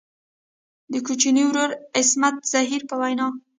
د کوچني ورور عصمت زهیر په وینا.